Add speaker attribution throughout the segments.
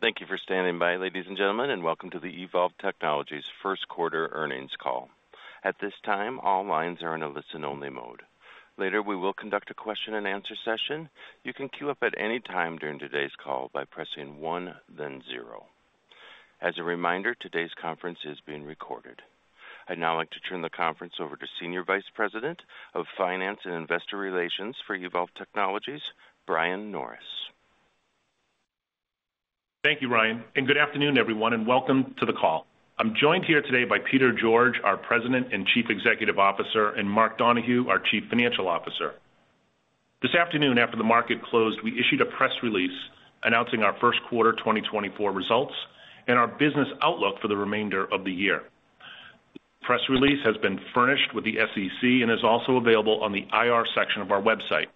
Speaker 1: Thank you for standing by, ladies and gentlemen, and welcome to the Evolv Technologies First Quarter Earnings Call. At this time, all lines are in a listen-only mode. Later, we will conduct a question-and-answer session. You can queue up at any time during today's call by pressing one, then zero. As a reminder, today's conference is being recorded. I'd now like to turn the conference over to Senior Vice President of Finance and Investor Relations for Evolv Technologies, Brian Norris.
Speaker 2: Thank you, Ryan, and good afternoon, everyone, and welcome to the call. I'm joined here today by Peter George, our President and Chief Executive Officer, and Mark Donohue, our Chief Financial Officer. This afternoon, after the market closed, we issued a press release announcing our first quarter 2024 results and our business outlook for the remainder of the year. The press release has been furnished with the SEC and is also available on the IR section of our website.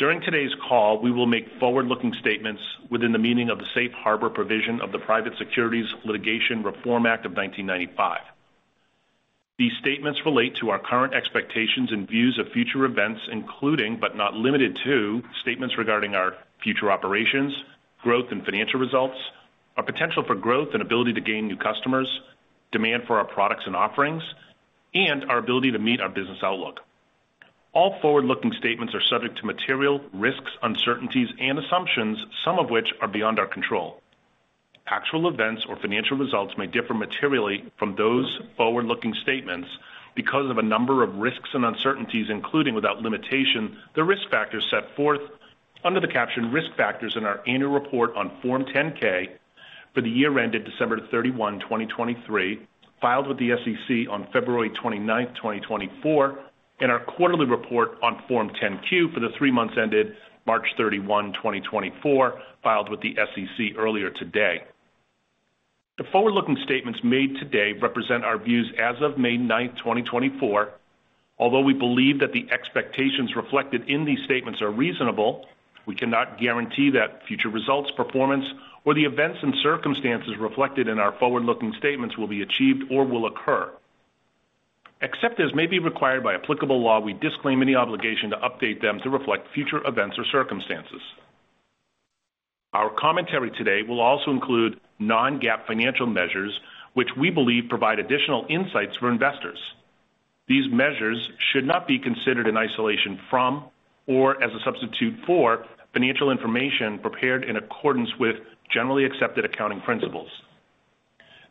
Speaker 2: During today's call, we will make forward-looking statements within the meaning of the Safe Harbor provision of the Private Securities Litigation Reform Act of 1995. These statements relate to our current expectations and views of future events, including but not limited to statements regarding our future operations, growth and financial results, our potential for growth and ability to gain new customers, demand for our products and offerings, and our ability to meet our business outlook. All forward-looking statements are subject to material risks, uncertainties, and assumptions, some of which are beyond our control. Actual events or financial results may differ materially from those forward-looking statements because of a number of risks and uncertainties, including, without limitation, the risk factors set forth under the caption "Risk Factors" in our annual report on Form 10-K for the year ended December 31, 2023, filed with the SEC on February 29, 2024, and our quarterly report on Form 10-Q for the three months ended March 31, 2024, filed with the SEC earlier today. The forward-looking statements made today represent our views as of May 9, 2024. Although we believe that the expectations reflected in these statements are reasonable, we cannot guarantee that future results, performance, or the events and circumstances reflected in our forward-looking statements will be achieved or will occur. Except as may be required by applicable law, we disclaim any obligation to update them to reflect future events or circumstances. Our commentary today will also include non-GAAP financial measures, which we believe provide additional insights for investors. These measures should not be considered in isolation from or as a substitute for financial information prepared in accordance with generally accepted accounting principles.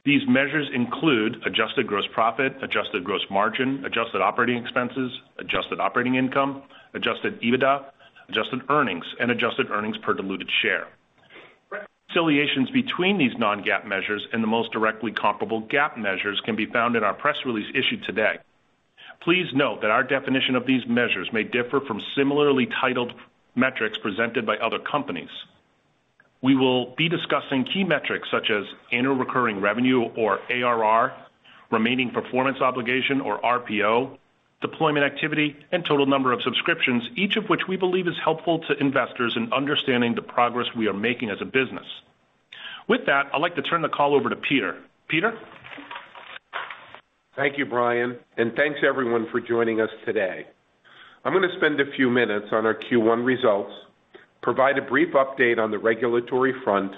Speaker 2: These measures include adjusted gross profit, adjusted gross margin, adjusted operating expenses, adjusted operating income, adjusted EBITDA, adjusted earnings, and adjusted earnings per diluted share. Reconciliations between these non-GAAP measures and the most directly comparable GAAP measures can be found in our press release issued today. Please note that our definition of these measures may differ from similarly titled metrics presented by other companies. We will be discussing key metrics such as annual recurring revenue or ARR, remaining performance obligation or RPO, deployment activity, and total number of subscriptions, each of which we believe is helpful to investors in understanding the progress we are making as a business. With that, I'd like to turn the call over to Peter. Peter?
Speaker 3: Thank you, Brian, and thanks everyone for joining us today. I'm going to spend a few minutes on our Q1 results, provide a brief update on the regulatory front,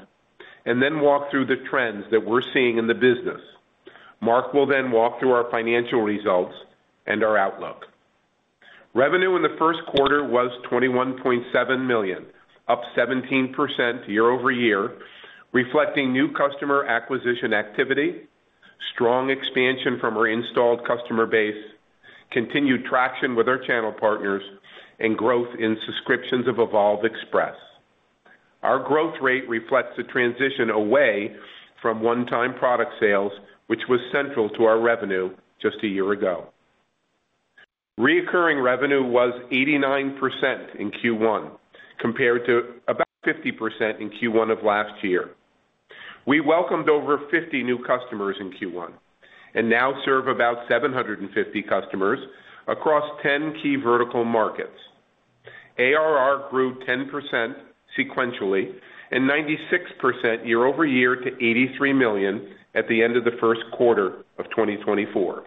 Speaker 3: and then walk through the trends that we're seeing in the business. Mark will then walk through our financial results and our outlook. Revenue in the first quarter was $21.7 million, up 17% year-over-year, reflecting new customer acquisition activity, strong expansion from our installed customer base, continued traction with our channel partners, and growth in subscriptions of Evolv Express. Our growth rate reflects a transition away from one-time product sales, which was central to our revenue just a year ago. Recurring revenue was 89% in Q1 compared to about 50% in Q1 of last year. We welcomed over 50 new customers in Q1 and now serve about 750 customers across 10 key vertical markets. ARR grew 10% sequentially and 96% year-over-year to $83 million at the end of the first quarter of 2024.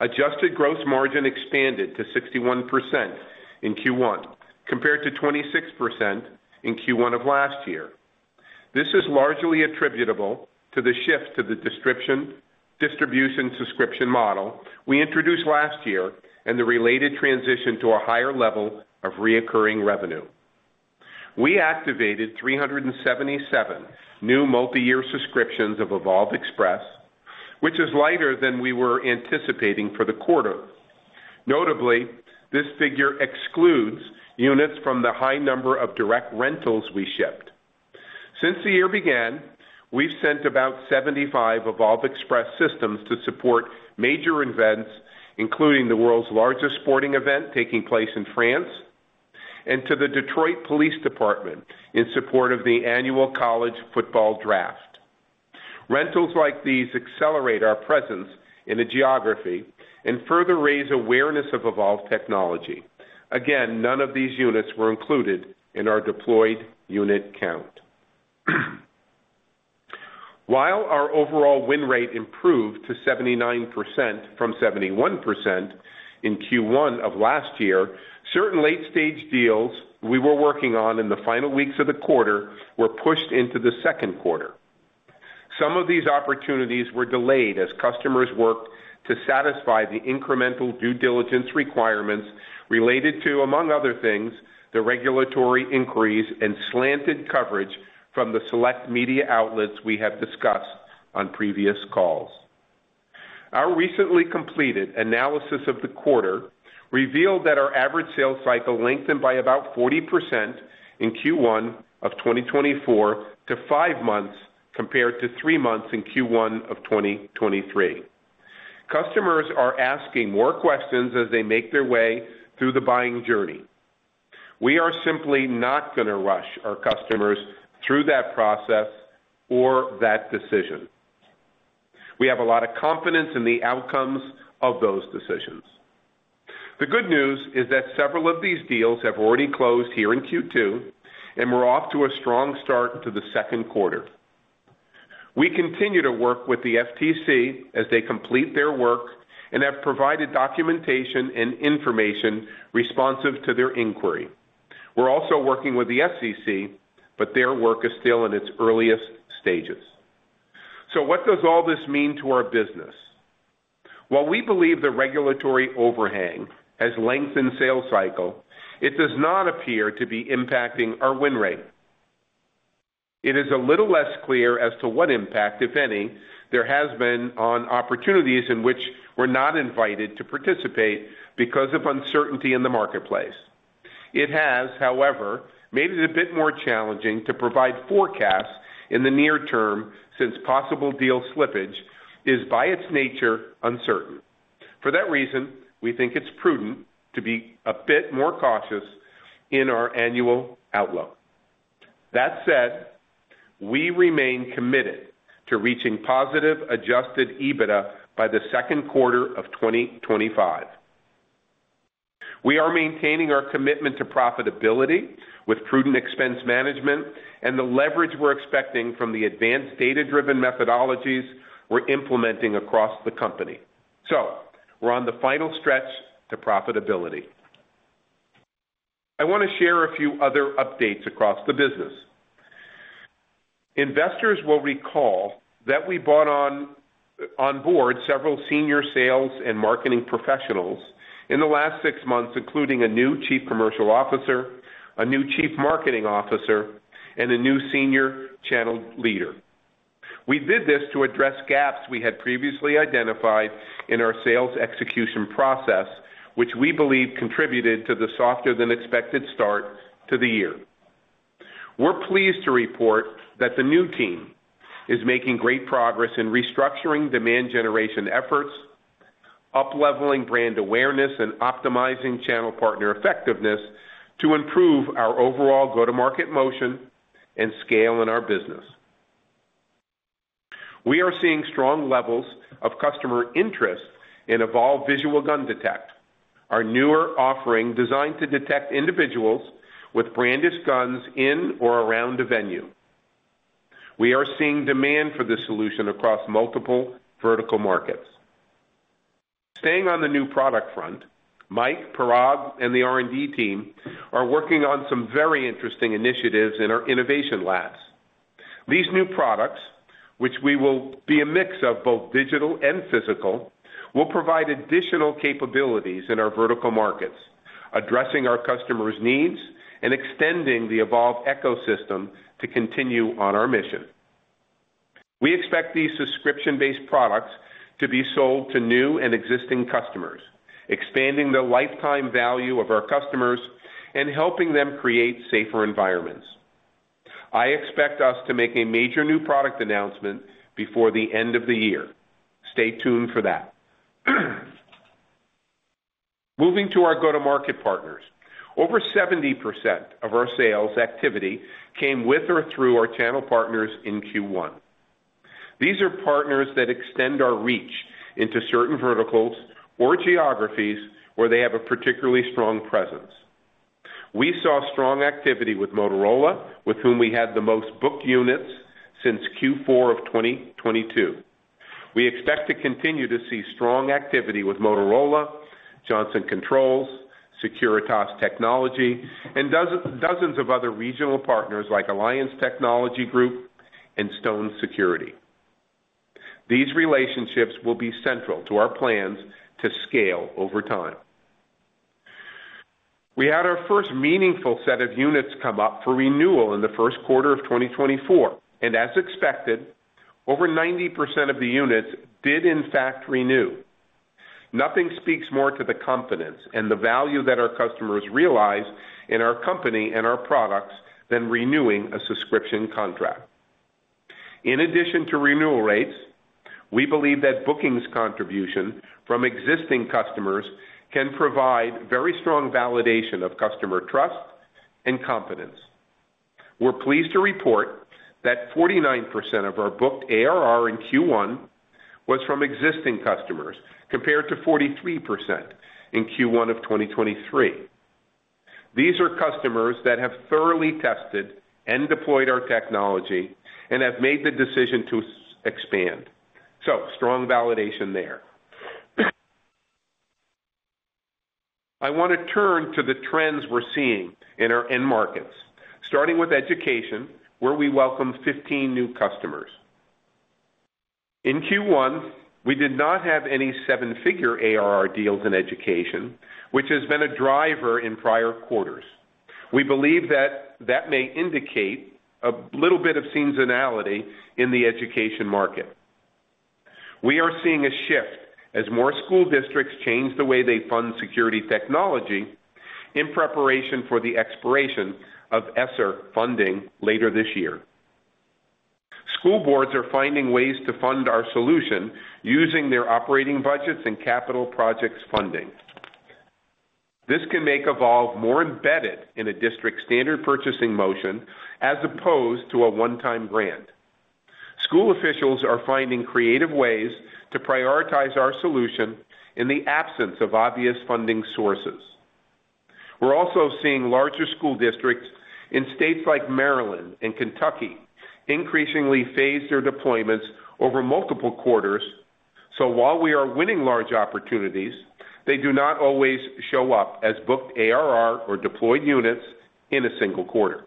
Speaker 3: Adjusted gross margin expanded to 61% in Q1 compared to 26% in Q1 of last year. This is largely attributable to the shift to the distribution subscription model we introduced last year and the related transition to a higher level of recurring revenue. We activated 377 new multi-year subscriptions of Evolv Express, which is lighter than we were anticipating for the quarter. Notably, this figure excludes units from the high number of direct rentals we shipped. Since the year began, we've sent about 75 Evolv Express systems to support major events, including the world's largest sporting event taking place in France, and to the Detroit Police Department in support of the NFL Draft. Rentals like these accelerate our presence in a geography and further raise awareness of Evolv Technology. Again, none of these units were included in our deployed unit count. While our overall win rate improved to 79% from 71% in Q1 of last year, certain late-stage deals we were working on in the final weeks of the quarter were pushed into the second quarter. Some of these opportunities were delayed as customers worked to satisfy the incremental due diligence requirements related to, among other things, the regulatory inquiries and slanted coverage from the select media outlets we have discussed on previous calls. Our recently completed analysis of the quarter revealed that our average sales cycle lengthened by about 40% in Q1 of 2024 to five months compared to three months in Q1 of 2023. Customers are asking more questions as they make their way through the buying journey. We are simply not going to rush our customers through that process or that decision. We have a lot of confidence in the outcomes of those decisions. The good news is that several of these deals have already closed here in Q2, and we're off to a strong start into the second quarter. We continue to work with the FTC as they complete their work and have provided documentation and information responsive to their inquiry. We're also working with the SEC, but their work is still in its earliest stages. So what does all this mean to our business? While we believe the regulatory overhang has lengthened sales cycle, it does not appear to be impacting our win rate. It is a little less clear as to what impact, if any, there has been on opportunities in which we're not invited to participate because of uncertainty in the marketplace. It has, however, made it a bit more challenging to provide forecasts in the near term since possible deal slippage is, by its nature, uncertain. For that reason, we think it's prudent to be a bit more cautious in our annual outlook. That said, we remain committed to reaching positive Adjusted EBITDA by the second quarter of 2025. We are maintaining our commitment to profitability with prudent expense management and the leverage we're expecting from the advanced data-driven methodologies we're implementing across the company. So we're on the final stretch to profitability. I want to share a few other updates across the business. Investors will recall that we brought on board several senior sales and marketing professionals in the last six months, including a new Chief Commercial Officer, a new Chief Marketing Officer, and a new Senior Channel Leader. We did this to address gaps we had previously identified in our sales execution process, which we believe contributed to the softer-than-expected start to the year. We're pleased to report that the new team is making great progress in restructuring demand generation efforts, upleveling brand awareness, and optimizing channel partner effectiveness to improve our overall go-to-market motion and scale in our business. We are seeing strong levels of customer interest in Evolv Visual Gun Detection, our newer offering designed to detect individuals with brandished guns in or around a venue. We are seeing demand for the solution across multiple vertical markets. Staying on the new product front, Mike, Parag, and the R&D team are working on some very interesting initiatives in our innovation labs. These new products, which will be a mix of both digital and physical, will provide additional capabilities in our vertical markets, addressing our customers' needs and extending the Evolv ecosystem to continue on our mission. We expect these subscription-based products to be sold to new and existing customers, expanding the lifetime value of our customers and helping them create safer environments. I expect us to make a major new product announcement before the end of the year. Stay tuned for that. Moving to our go-to-market partners, over 70% of our sales activity came with or through our channel partners in Q1. These are partners that extend our reach into certain verticals or geographies where they have a particularly strong presence. We saw strong activity with Motorola, with whom we had the most booked units since Q4 of 2022. We expect to continue to see strong activity with Motorola, Johnson Controls, Securitas Technology, and dozens of other regional partners like Alliance Technology Group and Stone Security. These relationships will be central to our plans to scale over time. We had our first meaningful set of units come up for renewal in the first quarter of 2024, and as expected, over 90% of the units did, in fact, renew. Nothing speaks more to the confidence and the value that our customers realize in our company and our products than renewing a subscription contract. In addition to renewal rates, we believe that bookings contribution from existing customers can provide very strong validation of customer trust and confidence. We're pleased to report that 49% of our booked ARR in Q1 was from existing customers compared to 43% in Q1 of 2023. These are customers that have thoroughly tested and deployed our technology and have made the decision to expand. So strong validation there. I want to turn to the trends we're seeing in markets, starting with education, where we welcome 15 new customers. In Q1, we did not have any seven-figure ARR deals in education, which has been a driver in prior quarters. We believe that that may indicate a little bit of seasonality in the education market. We are seeing a shift as more school districts change the way they fund security technology in preparation for the expiration of ESSER funding later this year. School boards are finding ways to fund our solution using their operating budgets and capital projects funding. This can make Evolv more embedded in a district standard purchasing motion as opposed to a one-time grant. School officials are finding creative ways to prioritize our solution in the absence of obvious funding sources. We're also seeing larger school districts in states like Maryland and Kentucky increasingly phase their deployments over multiple quarters. So while we are winning large opportunities, they do not always show up as booked ARR or deployed units in a single quarter.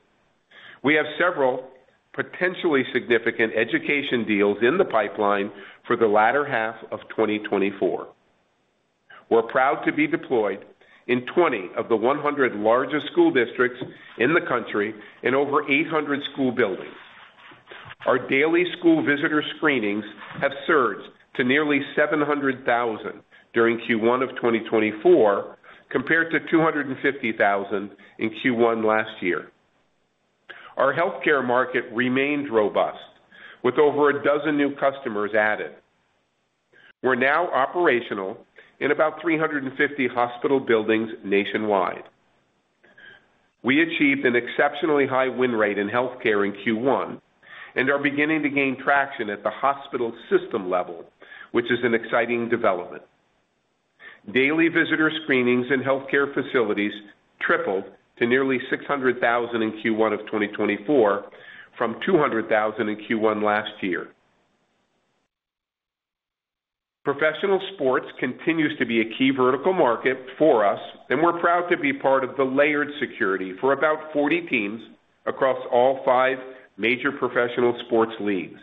Speaker 3: We have several potentially significant education deals in the pipeline for the latter half of 2024. We're proud to be deployed in 20 of the 100 largest school districts in the country and over 800 school buildings. Our daily school visitor screenings have surged to nearly 700,000 during Q1 of 2024 compared to 250,000 in Q1 last year. Our healthcare market remained robust with over a dozen new customers added. We're now operational in about 350 hospital buildings nationwide. We achieved an exceptionally high win rate in healthcare in Q1 and are beginning to gain traction at the hospital system level, which is an exciting development. Daily visitor screenings in healthcare facilities tripled to nearly 600,000 in Q1 of 2024 from 200,000 in Q1 last year. Professional sports continues to be a key vertical market for us, and we're proud to be part of the layered security for about 40 teams across all five major professional sports leagues.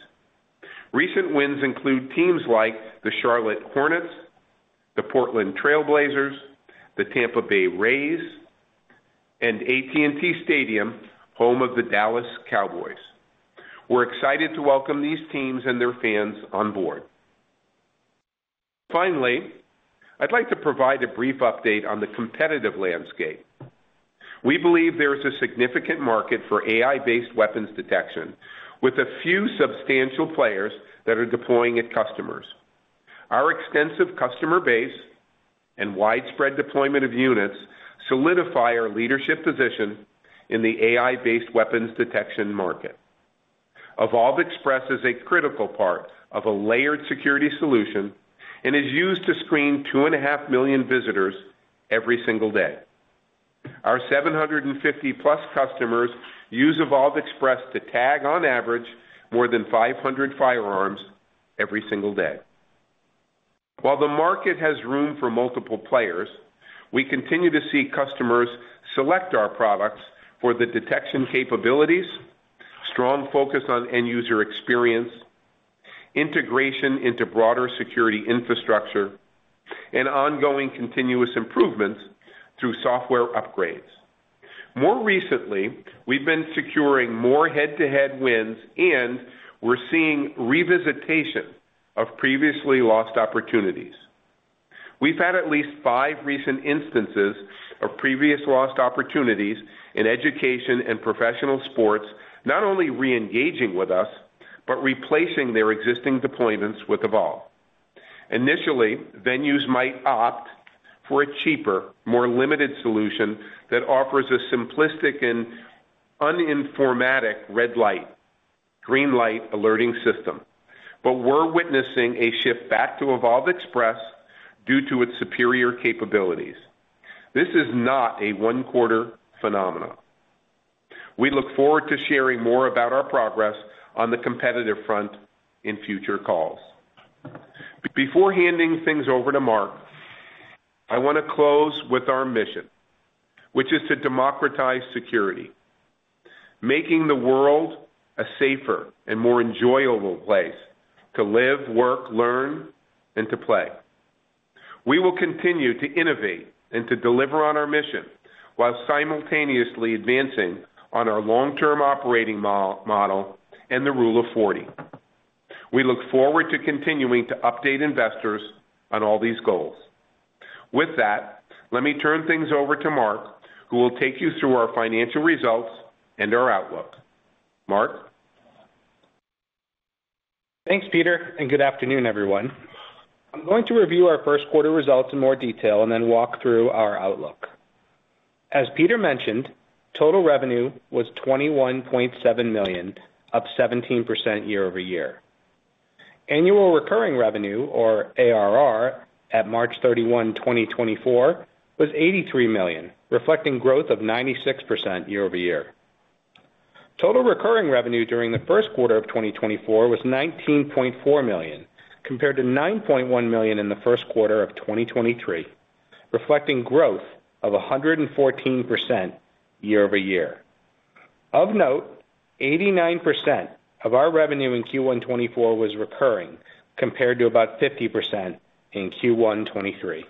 Speaker 3: Recent wins include teams like the Charlotte Hornets, the Portland Trail Blazers, the Tampa Bay Rays, and AT&T Stadium, home of the Dallas Cowboys. We're excited to welcome these teams and their fans on board. Finally, I'd like to provide a brief update on the competitive landscape. We believe there is a significant market for AI-based weapons detection with a few substantial players that are deploying at customers. Our extensive customer base and widespread deployment of units solidify our leadership position in the AI-based weapons detection market. Evolv Express is a critical part of a layered security solution and is used to screen 2.5 million visitors every single day. Our 750+ customers use Evolv Express to tag, on average, more than 500 firearms every single day. While the market has room for multiple players, we continue to see customers select our products for the detection capabilities, strong focus on end-user experience, integration into broader security infrastructure, and ongoing continuous improvements through software upgrades. More recently, we've been securing more head-to-head wins, and we're seeing revisitation of previously lost opportunities. We've had at least five recent instances of previous lost opportunities in education and professional sports not only reengaging with us but replacing their existing deployments with Evolv. Initially, venues might opt for a cheaper, more limited solution that offers a simplistic and uninformative red light, green light alerting system, but we're witnessing a shift back to Evolv Express due to its superior capabilities. This is not a one-quarter phenomenon. We look forward to sharing more about our progress on the competitive front in future calls. Before handing things over to Mark, I want to close with our mission, which is to democratize security, making the world a safer and more enjoyable place to live, work, learn, and to play. We will continue to innovate and to deliver on our mission while simultaneously advancing on our long-term operating model and the Rule of 40. We look forward to continuing to update investors on all these goals. With that, let me turn things over to Mark, who will take you through our financial results and our outlook. Mark.
Speaker 4: Thanks, Peter, and good afternoon, everyone. I'm going to review our first quarter results in more detail and then walk through our outlook. As Peter mentioned, total revenue was $21.7 million, up 17% year-over-year. Annual recurring revenue, or ARR, at March 31, 2024, was $83 million, reflecting growth of 96% year-over-year. Total recurring revenue during the first quarter of 2024 was $19.4 million compared to $9.1 million in the first quarter of 2023, reflecting growth of 114% year-over-year. Of note, 89% of our revenue in Q1 2024 was recurring compared to about 50% in Q1 2023.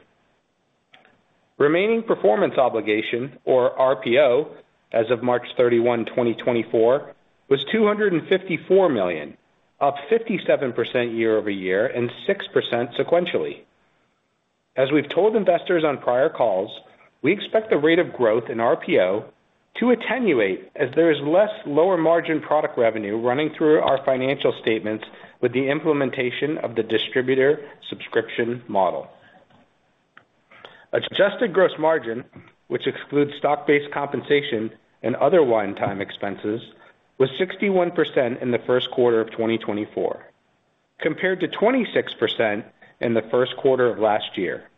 Speaker 4: Remaining performance obligation, or RPO, as of March 31, 2024, was $254 million, up 57% year-over-year and 6% sequentially. As we've told investors on prior calls, we expect the rate of growth in RPO to attenuate as there is less lower-margin product revenue running through our financial statements with the implementation of the distributor subscription model. Adjusted gross margin, which excludes stock-based compensation and other one-time expenses, was 61% in the first quarter of 2024 compared to 26% in the first quarter of last year.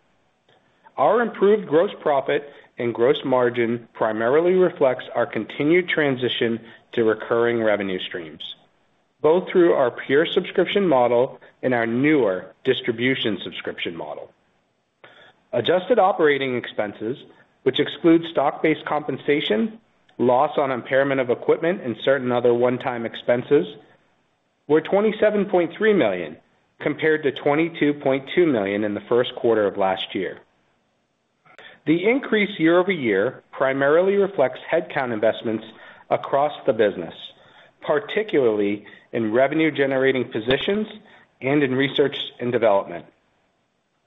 Speaker 4: Our improved gross profit and gross margin primarily reflects our continued transition to recurring revenue streams, both through our pure subscription model and our newer distribution subscription model. Adjusted operating expenses, which exclude stock-based compensation, loss on impairment of equipment, and certain other one-time expenses, were $27.3 million compared to $22.2 million in the first quarter of last year. The increase year-over-year primarily reflects headcount investments across the business, particularly in revenue-generating positions and in research and development.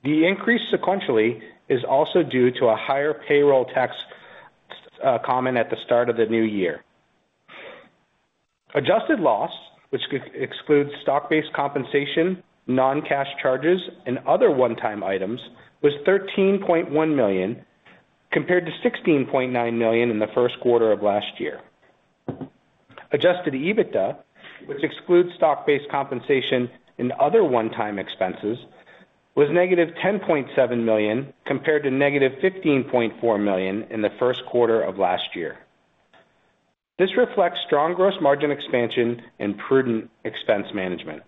Speaker 4: The increase sequentially is also due to a higher payroll tax component at the start of the new year. Adjusted loss, which excludes stock-based compensation, non-cash charges, and other one-time items, was $13.1 million compared to $16.9 million in the first quarter of last year. Adjusted EBITDA, which excludes stock-based compensation and other one-time expenses, was -$10.7 million compared to -$15.4 million in the first quarter of last year. This reflects strong gross margin expansion and prudent expense management.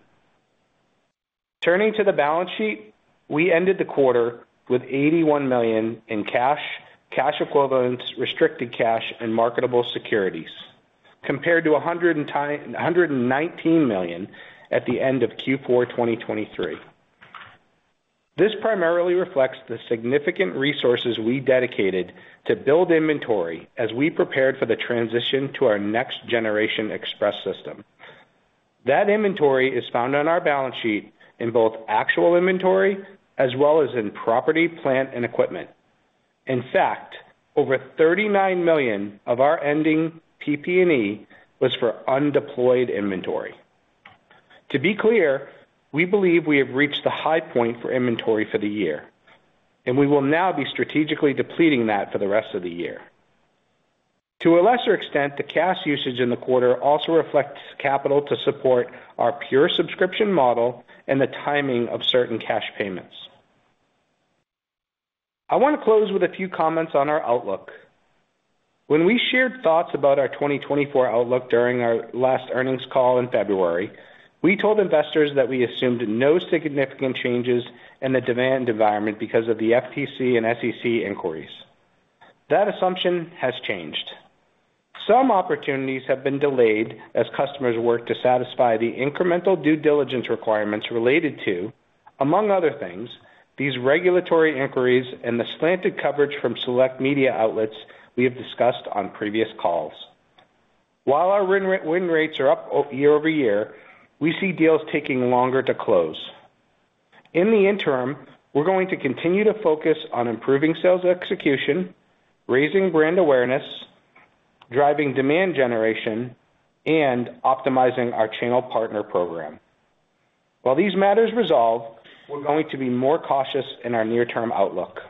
Speaker 4: Turning to the balance sheet, we ended the quarter with $81 million in cash, cash equivalents, restricted cash, and marketable securities compared to $119 million at the end of Q4 2023. This primarily reflects the significant resources we dedicated to build inventory as we prepared for the transition to our next-generation Express system. That inventory is found on our balance sheet in both actual inventory as well as in property, plant, and equipment. In fact, over $39 million of our ending PP&E was for undeployed inventory. To be clear, we believe we have reached the high point for inventory for the year, and we will now be strategically depleting that for the rest of the year. To a lesser extent, the cash usage in the quarter also reflects capital to support our pure subscription model and the timing of certain cash payments. I want to close with a few comments on our outlook. When we shared thoughts about our 2024 outlook during our last earnings call in February, we told investors that we assumed no significant changes in the demand environment because of the FTC and SEC inquiries. That assumption has changed. Some opportunities have been delayed as customers work to satisfy the incremental due diligence requirements related to, among other things, these regulatory inquiries and the slanted coverage from select media outlets we have discussed on previous calls. While our win rates are up year-over-year, we see deals taking longer to close. In the interim, we're going to continue to focus on improving sales execution, raising brand awareness, driving demand generation, and optimizing our channel partner program. While these matters resolve, we're going to be more cautious in our near-term outlook.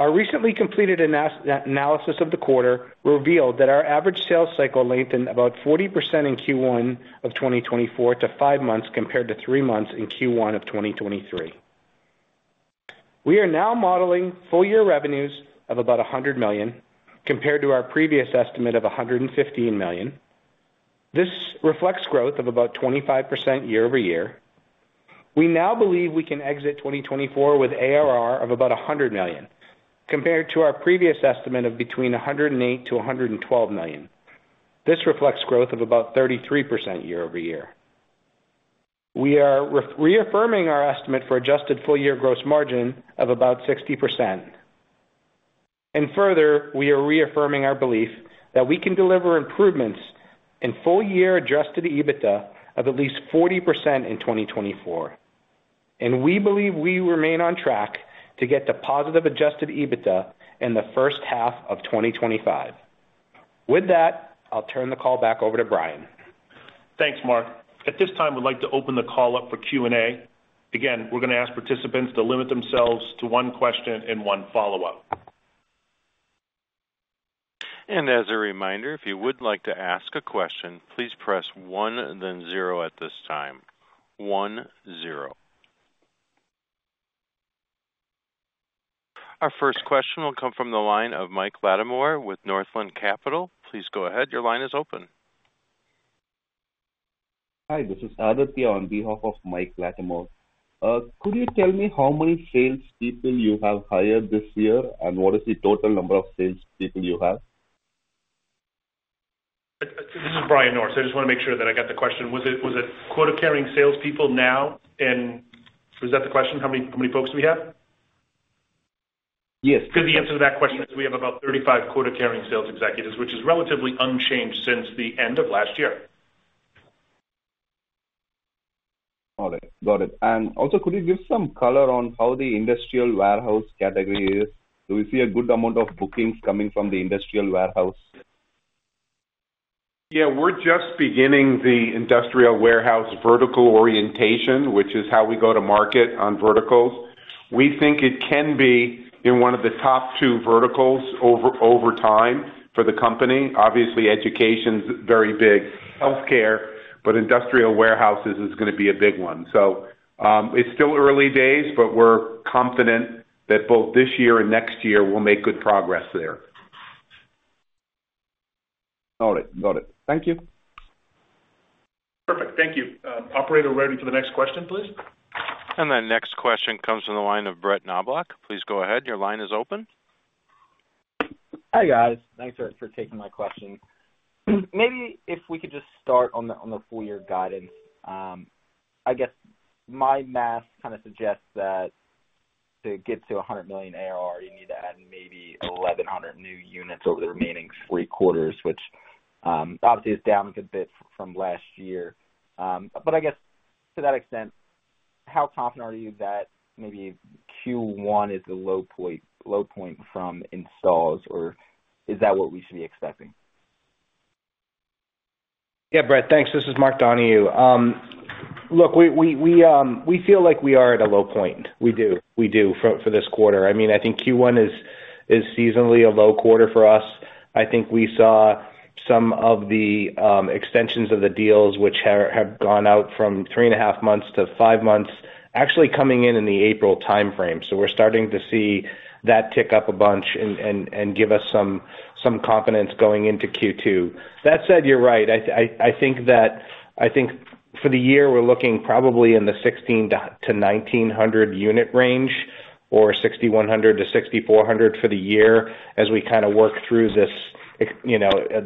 Speaker 4: Our recently completed analysis of the quarter revealed that our average sales cycle lengthened about 40% in Q1 of 2024 to five months compared to three months in Q1 of 2023. We are now modeling full-year revenues of about $100 million compared to our previous estimate of $115 million. This reflects growth of about 25% year-over-year. We now believe we can exit 2024 with ARR of about $100 million compared to our previous estimate of between $108-$112 million. This reflects growth of about 33% year-over-year. We are reaffirming our estimate for adjusted full-year gross margin of about 60%. And further, we are reaffirming our belief that we can deliver improvements in full-year adjusted EBITDA of at least 40% in 2024. And we believe we remain on track to get to positive adjusted EBITDA in the first half of 2025. With that, I'll turn the call back over to Brian.
Speaker 2: Thanks, Mark. At this time, we'd like to open the call up for Q&A. Again, we're going to ask participants to limit themselves to one question and one follow-up.
Speaker 1: As a reminder, if you would like to ask a question, please press one, then zero at this time. one, zero. Our first question will come from the line of Mike Latimore with Northland Capital. Please go ahead. Your line is open.
Speaker 5: Hi. This is Aditya on behalf of Mike Latimore. Could you tell me how many salespeople you have hired this year, and what is the total number of salespeople you have?
Speaker 2: This is Brian Norris. I just want to make sure that I got the question. Was it quota-carrying salespeople now, and was that the question? How many folks do we have?
Speaker 5: Yes.
Speaker 2: Because the answer to that question is we have about 35 quota-carrying sales executives, which is relatively unchanged since the end of last year.
Speaker 6: All right. Got it. And also, could you give some color on how the industrial warehouse category is? Do we see a good amount of bookings coming from the industrial warehouse?
Speaker 3: Yeah. We're just beginning the industrial warehouse vertical orientation, which is how we go to market on verticals. We think it can be in one of the top two verticals over time for the company. Obviously, education's very big, healthcare, but industrial warehouses is going to be a big one. So it's still early days, but we're confident that both this year and next year we'll make good progress there.
Speaker 6: All right. Got it. Thank you.
Speaker 2: Perfect. Thank you. Operator, ready for the next question, please?
Speaker 1: The next question comes from the line of Brett Knoblauch. Please go ahead. Your line is open.
Speaker 6: Hi, guys. Thanks for taking my question. Maybe if we could just start on the full-year guidance. I guess my math kind of suggests that to get to $100 million ARR, you need to add maybe 1,100 new units over the remaining three quarters, which obviously is down a good bit from last year. But I guess to that extent, how confident are you that maybe Q1 is the low point from installs, or is that what we should be expecting?
Speaker 4: Yeah, Brett, thanks. This is Mark Donohue. Look, we feel like we are at a low point. We do. We do for this quarter. I mean, I think Q1 is seasonally a low quarter for us. I think we saw some of the extensions of the deals, which have gone out from three and half months to five months, actually coming in in the April timeframe. So we're starting to see that tick up a bunch and give us some confidence going into Q2. That said, you're right. I think for the year, we're looking probably in the 1,600-1,900 unit range or 6,100-6,400 for the year as we kind of work through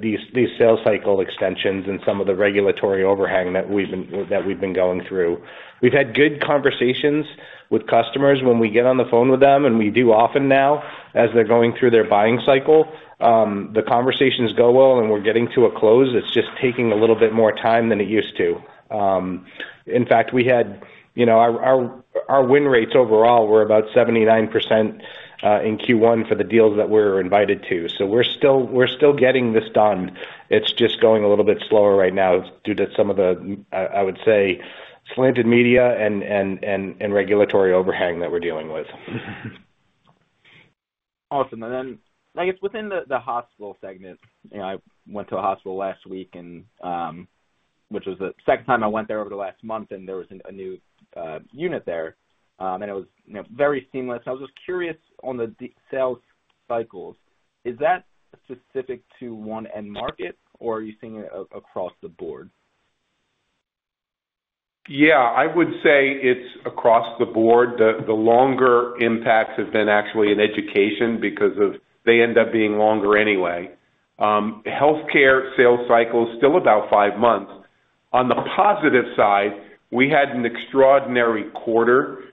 Speaker 4: these sales cycle extensions and some of the regulatory overhang that we've been going through. We've had good conversations with customers when we get on the phone with them, and we do often now as they're going through their buying cycle. The conversations go well, and we're getting to a close. It's just taking a little bit more time than it used to. In fact, we had our win rates overall were about 79% in Q1 for the deals that we were invited to. So we're still getting this done. It's just going a little bit slower right now due to some of the, I would say, slanted media and regulatory overhang that we're dealing with.
Speaker 7: Awesome. Then I guess within the hospital segment, I went to a hospital last week, which was the second time I went there over the last month, and there was a new unit there, and it was very seamless. I was just curious on the sales cycles. Is that specific to one end market, or are you seeing it across the board?
Speaker 3: Yeah. I would say it's across the board. The longer impacts have been actually in education because they end up being longer anyway. Healthcare sales cycle, still about five months. On the positive side, we had an extraordinary quarter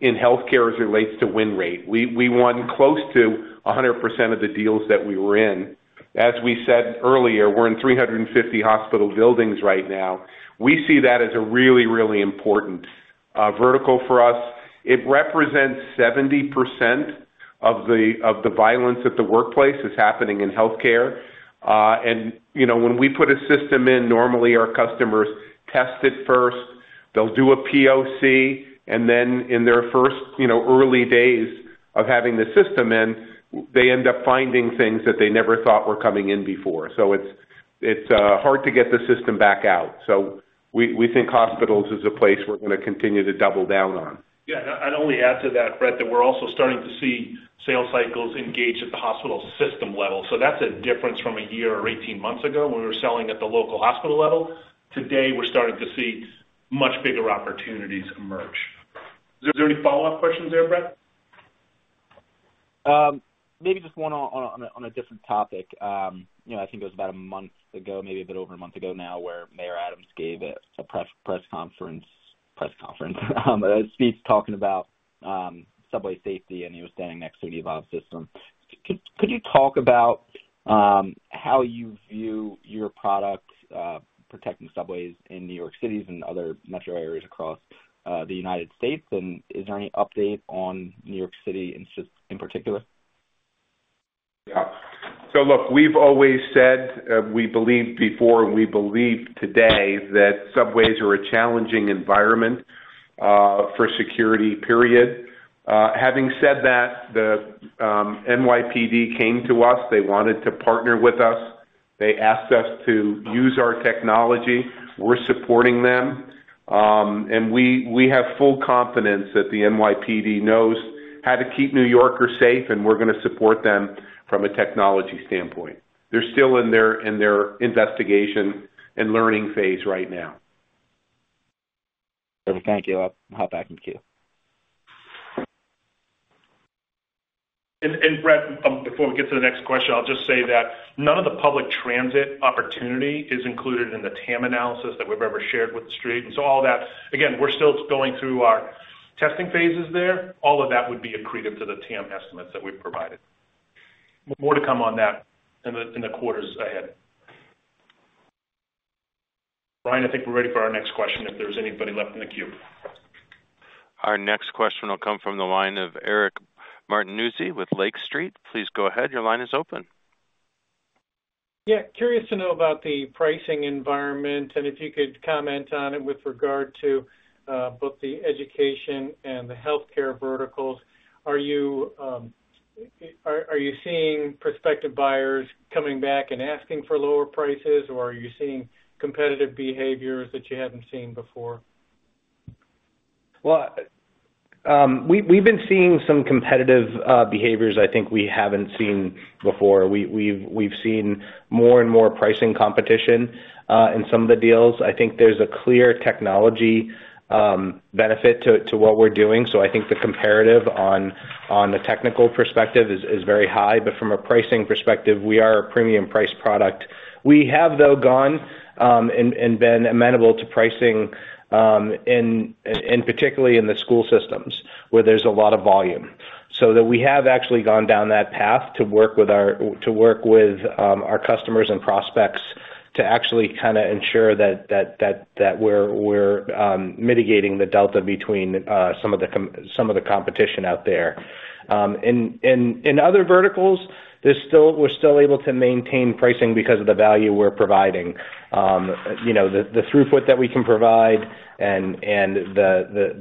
Speaker 3: in healthcare as it relates to win rate. We won close to 100% of the deals that we were in. As we said earlier, we're in 350 hospital buildings right now. We see that as a really, really important vertical for us. It represents 70% of the violence at the workplace that's happening in healthcare. And when we put a system in, normally our customers test it first. They'll do a POC, and then in their first early days of having the system in, they end up finding things that they never thought were coming in before. So it's hard to get the system back out. We think hospitals is a place we're going to continue to double down on.
Speaker 2: Yeah. I'd only add to that, Brett, that we're also starting to see sales cycles engage at the hospital system level. That's a difference from a year or 18 months ago when we were selling at the local hospital level. Today, we're starting to see much bigger opportunities emerge. Is there any follow-up questions there, Brett?
Speaker 7: Maybe just one on a different topic. I think it was about a month ago, maybe a bit over a month ago now, where Mayor Adams gave a press conference speech talking about subway safety, and he was standing next to an Evolv system. Could you talk about how you view your product protecting subways in New York City and other metro areas across the United States? And is there any update on New York City in particular?
Speaker 3: Yeah. So look, we've always said we believed before, and we believe today that subways are a challenging environment for security. Having said that, the NYPD came to us. They wanted to partner with us. They asked us to use our technology. We're supporting them. And we have full confidence that the NYPD knows how to keep New Yorkers safe, and we're going to support them from a technology standpoint. They're still in their investigation and learning phase right now.
Speaker 7: Perfect. Thank you. I'll hop back into queue.
Speaker 2: Brett, before we get to the next question, I'll just say that none of the public transit opportunity is included in the TAM analysis that we've ever shared with the street. And so all that, again, we're still going through our testing phases there. All of that would be accretive to the TAM estimates that we've provided. More to come on that in the quarters ahead. Brian, I think we're ready for our next question if there's anybody left in the queue.
Speaker 1: Our next question will come from the line of Eric Martinuzzi with Lake Street. Please go ahead. Your line is open.
Speaker 6: Yeah. Curious to know about the pricing environment and if you could comment on it with regard to both the education and the healthcare verticals. Are you seeing prospective buyers coming back and asking for lower prices, or are you seeing competitive behaviors that you hadn't seen before?
Speaker 4: Well, we've been seeing some competitive behaviors I think we haven't seen before. We've seen more and more pricing competition in some of the deals. I think there's a clear technology benefit to what we're doing. So I think the comparative on a technical perspective is very high. But from a pricing perspective, we are a premium-priced product. We have, though, gone and been amenable to pricing, particularly in the school systems where there's a lot of volume. So we have actually gone down that path to work with our customers and prospects to actually kind of ensure that we're mitigating the delta between some of the competition out there. In other verticals, we're still able to maintain pricing because of the value we're providing. The throughput that we can provide and the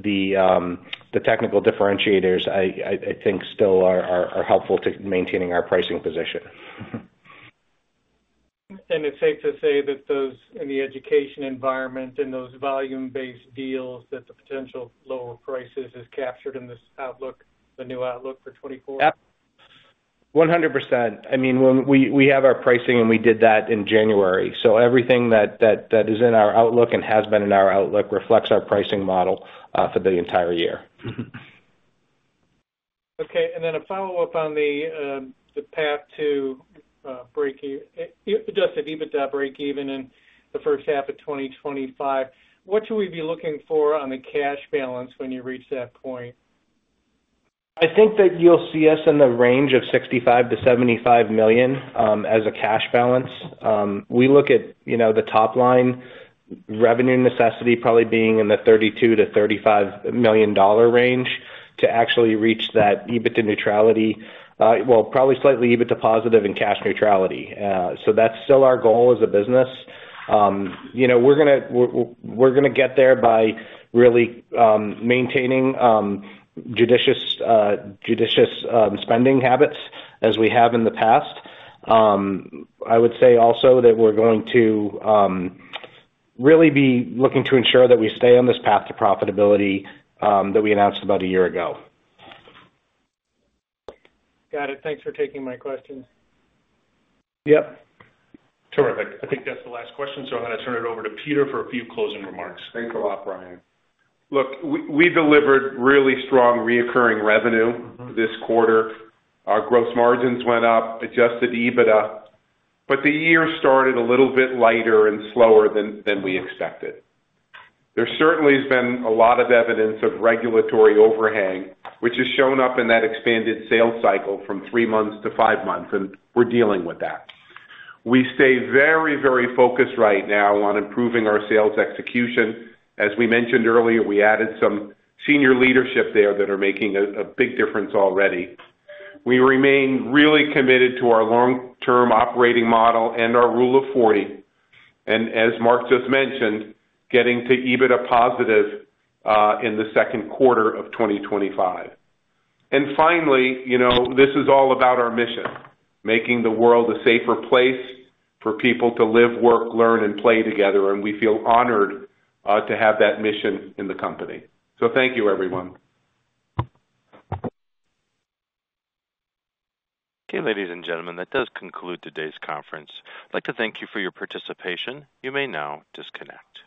Speaker 4: technical differentiators, I think, still are helpful to maintaining our pricing position.
Speaker 6: It's safe to say that in the education environment and those volume-based deals, that the potential lower prices is captured in the new outlook for 2024?
Speaker 4: Yep. 100%. I mean, we have our pricing, and we did that in January. So everything that is in our outlook and has been in our outlook reflects our pricing model for the entire year.
Speaker 6: Okay. And then a follow-up on the path to just an EBITDA breakeven in the first half of 2025. What should we be looking for on the cash balance when you reach that point?
Speaker 4: I think that you'll see us in the range of $65 million-$75 million as a cash balance. We look at the top-line revenue necessity probably being in the $32 million-$35 million range to actually reach that EBITDA neutrality well, probably slightly EBITDA positive in cash neutrality. So that's still our goal as a business. We're going to get there by really maintaining judicious spending habits as we have in the past. I would say also that we're going to really be looking to ensure that we stay on this path to profitability that we announced about a year ago.
Speaker 6: Got it. Thanks for taking my questions.
Speaker 4: Yep.
Speaker 2: Terrific. I think that's the last question. So I'm going to turn it over to Peter for a few closing remarks.
Speaker 3: Thanks a lot, Brian. Look, we delivered really strong recurring revenue this quarter. Our gross margins went up, adjusted EBITDA. But the year started a little bit lighter and slower than we expected. There certainly has been a lot of evidence of regulatory overhang, which has shown up in that expanded sales cycle from three months to five months, and we're dealing with that. We stay very, very focused right now on improving our sales execution. As we mentioned earlier, we added some senior leadership there that are making a big difference already. We remain really committed to our long-term operating model and our Rule of 40. And as Mark just mentioned, getting to EBITDA positive in the second quarter of 2025. And finally, this is all about our mission, making the world a safer place for people to live, work, learn, and play together. We feel honored to have that mission in the company. Thank you, everyone.
Speaker 1: Okay, ladies and gentlemen. That does conclude today's conference. I'd like to thank you for your participation. You may now disconnect.